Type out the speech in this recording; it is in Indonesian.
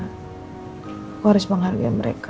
aku harus menghargai mereka